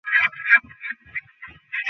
হ্যাঁ, কিন্তু কতক্ষণের জন্য?